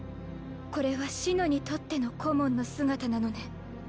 これは紫乃にとってのコモンの姿なのね。